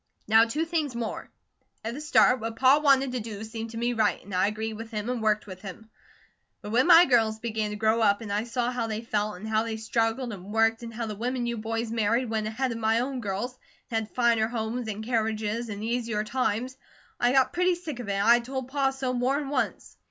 "Now two things more. At the start, what Pa wanted to do seemed to me right, and I agreed with him and worked with him. But when my girls began to grow up and I saw how they felt, and how they struggled and worked, and how the women you boys married went ahead of my own girls, and had finer homes, an' carriages, and easier times, I got pretty sick of it, and I told Pa so more'n once.